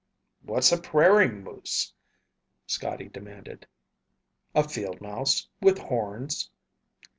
"What's a prairie moose?" Scotty demanded. "A field mouse with horns."